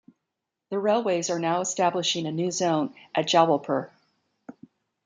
The railways are now establishing a new zone at Jabalpur.